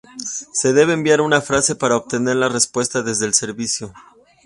Se debe enviar una frase para obtener la respuesta desde el servicio.